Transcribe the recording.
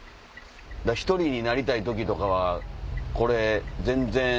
１人になりたい時とかはこれ全然。